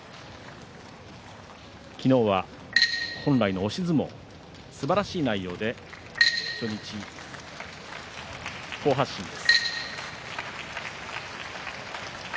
昨日は本来の押し相撲すばらしい内容で初日、白星、好発進です。